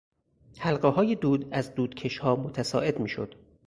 حلقههای دود از دودکشها متصاعد می شد.